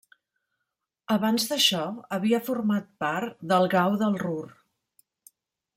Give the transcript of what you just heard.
Abans d'això havia format part del Gau del Ruhr.